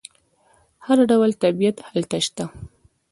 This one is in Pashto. هر ډول طبیعت هلته شته.